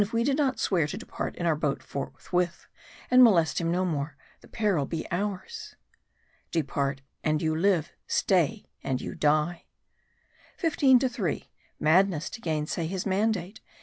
we did not swear to depart in our boat forthwith, and molest him no more, the peril be ours. " Depart and you live ; stay and your die." Fifteen to three. Madness to gainsay his mandate.